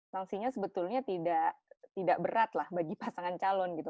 sanksinya sebetulnya tidak berat lah bagi pasangan calon gitu